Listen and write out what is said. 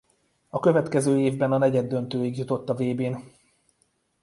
A következő évben a negyeddöntőig jutott a vb-n.